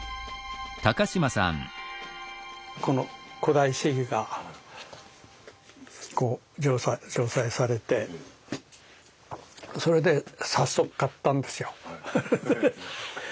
この「古代史疑」が上梓されてそれで早速買ったんですよ。